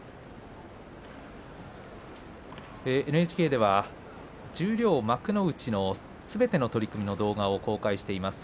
ＮＨＫでは十両幕内のすべての取組を動画を公開しています。